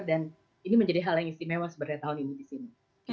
dan ini menjadi hal yang istimewa sebenarnya tahun ini di sini